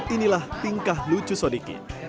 inilah tingkah lucu sodiki